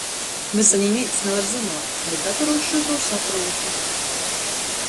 Vysa nivīns navar zynuot, bet datorūs šū tū saprūtu.